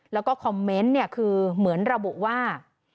แล้วก็คอมเมนต์เนี่ยคือเหมือนระบุว่า